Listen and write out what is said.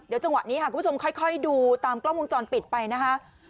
เดี๋ยวจังหวะนี้ค่ะคุณผู้ชมค่อยดูตามกล้องวงจรปิดไปนะคะ